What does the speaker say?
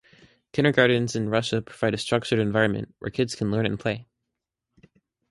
Kindergartens in Russia provide a structured environment where children can learn and play.